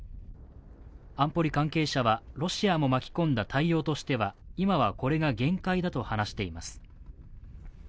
安保理関係者はロシアも巻き込んだ対応としては、今はこれが限界だと話しています。